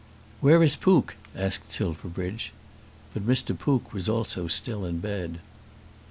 "Where is Pook?" asked Silverbridge. But Mr. Pook was also still in bed.